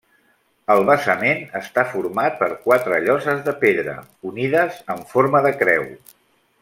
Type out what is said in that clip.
El basament està format per quatre lloses de pedra, unides en forma de creu.